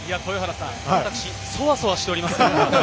私、そわそわしています。